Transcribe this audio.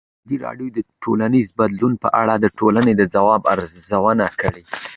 ازادي راډیو د ټولنیز بدلون په اړه د ټولنې د ځواب ارزونه کړې.